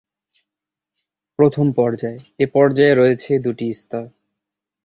প্রথম পর্যায়: এ পর্যায়ে রয়েছে দু'টি স্তর।